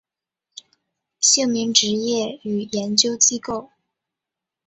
姓名职业与研究机构